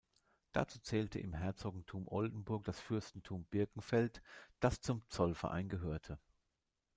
Dazu zählte im Herzogtum Oldenburg das Fürstentum Birkenfeld, das zum Zollverein gehörte.